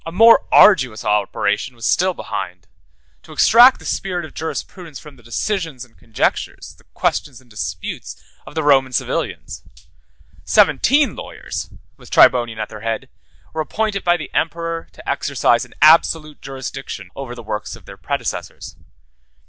A more arduous operation was still behind—to extract the spirit of jurisprudence from the decisions and conjectures, the questions and disputes, of the Roman civilians. Seventeen lawyers, with Tribonian at their head, were appointed by the emperor to exercise an absolute jurisdiction over the works of their predecessors.